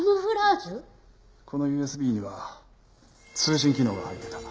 このＵＳＢには通信機能が入っていた。